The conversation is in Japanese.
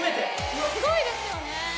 すごいですよね。